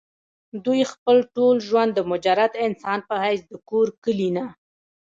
دوي خپل ټول ژوند د مجرد انسان پۀ حېث د کور کلي نه